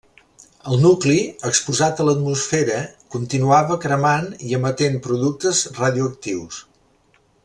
El nucli, exposat a l'atmosfera, continuava cremant i emetent productes radioactius.